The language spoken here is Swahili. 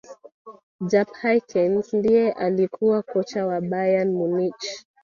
jupp hyckens ndiye alikuwa kocha wa bayern munich